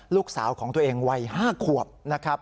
ลูกสาวของตัวเองวัย๕ขวบนะครับ